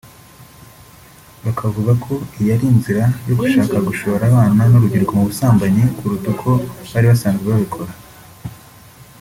bakavuga ko iyi ari inzira yo gushaka gushora abana n’urubyiruko mu busambanyi kuruta uko bari basanzwe babikora